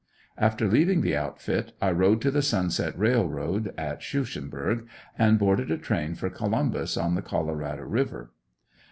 After leaving the outfit I rode to the Sunset railroad at Shusenburg and boarded a train for Columbus on the Colorado river.